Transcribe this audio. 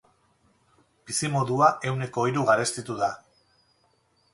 Bizimodua ehuneko hiru garestitu da.